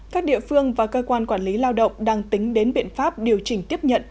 các địa phương và cơ quan quản lý lao động đang tính đến biện pháp điều chỉnh tiếp nhận